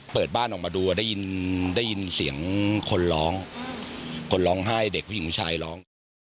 เปิดบ้านออกมาดูได้ยินเสียงคนร้องคนร้องไห้เด็กผู้หญิงผู้ชายร้อง